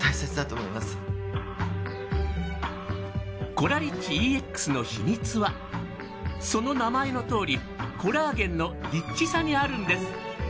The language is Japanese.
コラリッチＥＸの秘密はその名前のとおりコラーゲンのリッチさにあるんです。